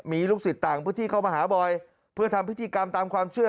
มีลูกศิษย์ต่างพื้นที่เข้ามาหาบ่อยเพื่อทำพิธีกรรมตามความเชื่อ